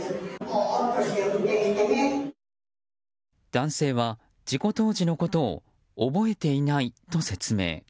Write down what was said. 男性は、事故当時のことを覚えていないと説明。